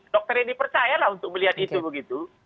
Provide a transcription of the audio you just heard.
dokter ini percayalah untuk melihat itu begitu